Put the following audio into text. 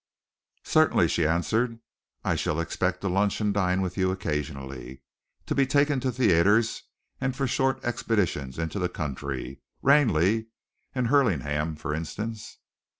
"Certainly," she answered. "I shall expect to lunch and dine with you occasionally, to be taken to the theatres, and for short expeditions into the country Ranelagh and Hurlingham, for instance."